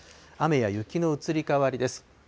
雨や雪の移り変わりです。